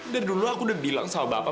dari dulu aku udah bilang sama bapak